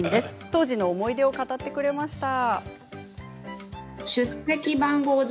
当時の思い出を語ってくれました。